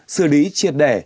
xử lý triệt đẻ